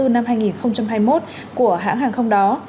năm hai nghìn hai mươi một của hãng hàng không đó